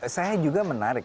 saya juga menarik